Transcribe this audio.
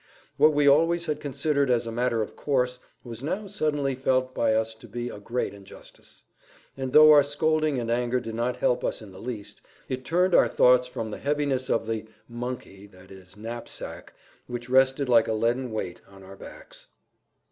What we always had considered as a matter of course was now suddenly felt by us to be a great injustice. And though our scolding and anger did not help us in the least, it turned our thoughts from the heaviness of the "monkey" (knapsack) which rested like a leaden weight on our backs.